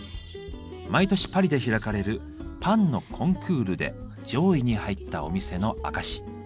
毎年パリで開かれるパンのコンクールで上位に入ったお店の証し。